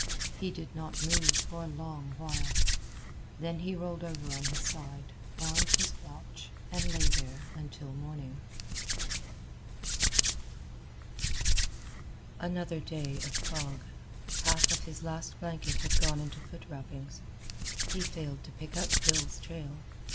He did not move for a long while; then he rolled over on his side, wound his watch, and lay there until morning. Another day of fog. Half of his last blanket had gone into foot wrappings. He failed to pick up Bill's trail.